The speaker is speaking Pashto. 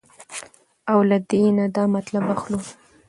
او له دې نه دا مطلب اخلو